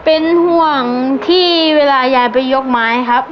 เป็นห่วงที่เวลายายไปยกไม้ครับ